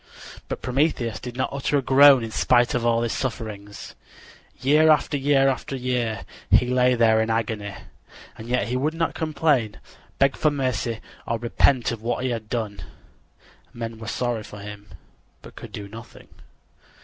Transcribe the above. But Prometheus did not utter a groan in spite of all his sufferings. Year after year he lay in agony, and yet he would not complain, beg for mercy or repent of what he had done. Men were sorry for him, but could do nothing.